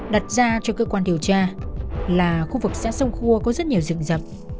đặt ra cho cơ quan điều tra là khu vực xã sông khua có rất nhiều rựng dập